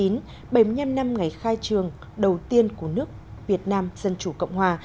bảy mươi năm năm ngày khai trường đầu tiên của nước việt nam dân chủ cộng hòa